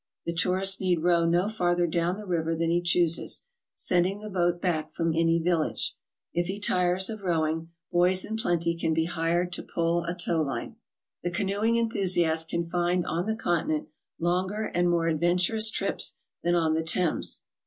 The tourist need row no farther down the river than he chooses, sending the boat back from any village; if he tires of rowing, boys in plenty can be hired to pull a tow line. The canoeing enthusiast can find on the Continent longer and more adventurous trips than on the Thames.